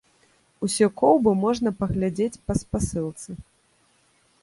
Усе коўбы можна паглядзець па спасылцы.